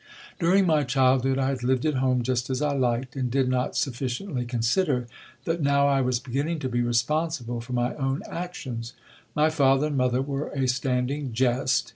During my childhood I had lived at home just as I liked, and did not suffi ciently consider, that now I was beginning to be responsible for my own actions. My father and mother were a standing jest.